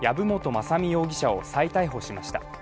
雅巳容疑者を再逮捕しました。